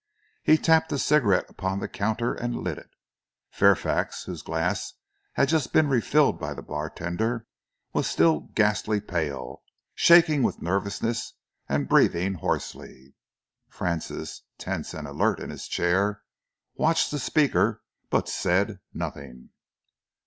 He tapped a cigarette upon the counter and lit it. Fairfax, whose glass had just been refilled by the bartender, was still ghastly pale, shaking with nervousness and breathing hoarsely. Francis, tense and alert in his chair, watched the speaker but said nothing.